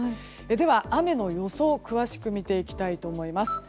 では雨の予想を詳しく見ていきたいと思います。